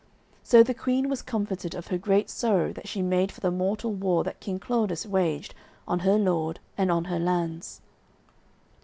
So the queen was comforted of her great sorrow that she made for the mortal war that King Claudas waged on her lord and on her lands.